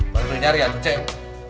bantu nyari atuh cenk